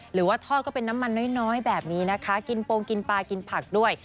หรือว่าทอดก็เป็นน้ำมันน้อยแบบนี้นะคะกินโปรงกินปลากินผักด้วย